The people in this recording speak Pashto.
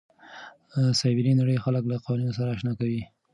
سایبري نړۍ خلک له قوانینو سره اشنا کوي.